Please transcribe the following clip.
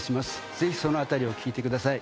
ぜひそのあたりを聴いてください